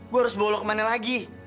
gue harus bawa kemana lagi